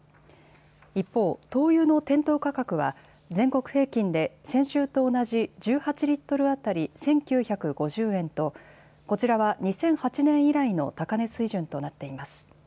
一方、灯油の店頭価格は全国平均で先週と同じ１８リットル当たり１９５０円とこちらは２００８年以来の高値水準となっています。